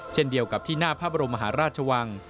เช่นเดียวกับที่หน้าพระบรมมหาราชวัง